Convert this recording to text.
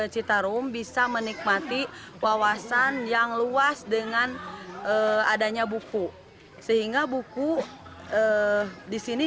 citarum bisa menikmati wawasan yang luas dengan adanya buku sehingga buku disini